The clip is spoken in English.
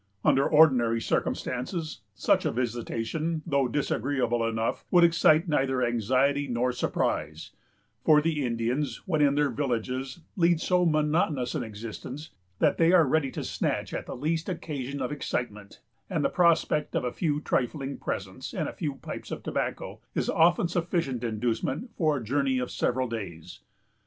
Under ordinary circumstances, such a visitation, though disagreeable enough, would excite neither anxiety nor surprise; for the Indians, when in their villages, lead so monotonous an existence, that they are ready to snatch at the least occasion of excitement, and the prospect of a few trifling presents, and a few pipes of tobacco, is often a sufficient inducement for a journey of several days.